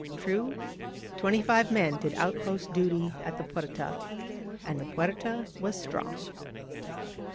True, twenty five men did outpost duty at the Fuerta, and the Fuerta was strong.